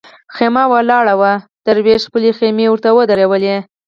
خېمه ولاړه وه دروېش خپلې خېمې ورته ودرولې.